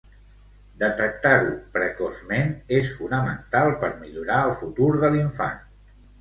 Detectar-ho precoçment és fonamental per millorar el futur de l'infant.